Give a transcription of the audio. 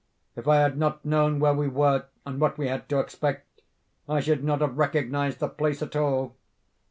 If I had not known where we were, and what we had to expect, I should not have recognised the place at all.